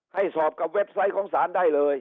สอบกับเว็บไซต์ของศาลได้เลย